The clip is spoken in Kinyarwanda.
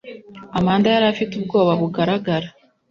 Amanda yari afite ubwoba bugaragara